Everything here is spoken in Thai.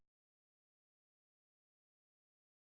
ปวดขาแล้วยังบอกปวดขา